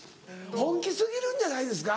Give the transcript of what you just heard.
本気過ぎるんじゃないですか。